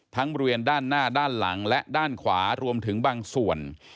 บริเวณด้านหน้าด้านหลังและด้านขวารวมถึงบางส่วน